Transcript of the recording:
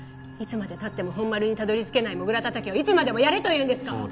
いつまでたっても本丸にたどり着けないモグラ叩きをいつまでもやれというんですか？